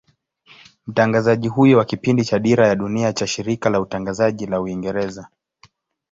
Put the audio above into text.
Mtangazaji huyo wa kipindi cha Dira ya Dunia cha Shirika la Utangazaji la Uingereza